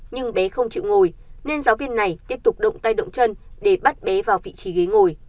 nhưng bé không chịu ngồi nên giáo viên này tiếp tục động tay động chân để bắt bé vào vị trí ghế ngồi